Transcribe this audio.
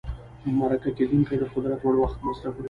مرکه کېدونکی د قدر وړ وخت مصرفوي.